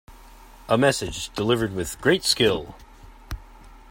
A message delivered with great skill.